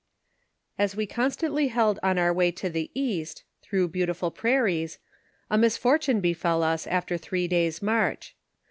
As we constantly held on our way to the east, through beautiful prairies, a misfortune befell us after three days' march.